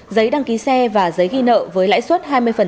giấy đăng ký xe và giấy ghi nợ với lãi suất hai mươi